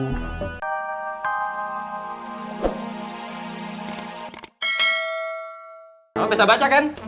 kamu bisa baca kan